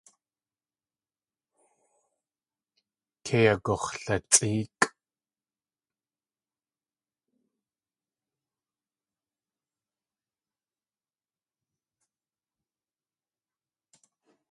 Kei agux̲latsʼéekʼ.